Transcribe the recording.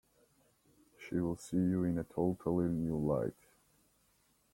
She will see you in a totally new light.